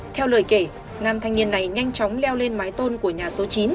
theo lời kể nam thanh niên này nhanh chóng leo lên mái tôn của nhà số chín